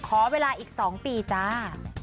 ขอเวลาอีก๒ปีจ้า